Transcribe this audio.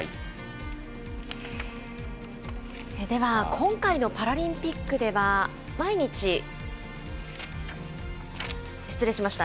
今回のパラリンピックでは失礼しました。